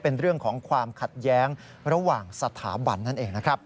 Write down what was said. เป็นเรื่องของความขัดแย้งระหว่างสถาบันนั่นเองนะครับ